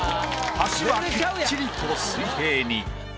橋はきっちりと水平に。